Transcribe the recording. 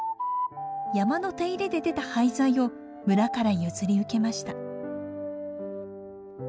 山の手入れで出た廃材を村から譲り受けました。